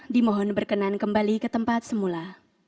dimohon berkenan kembali ke tempat semula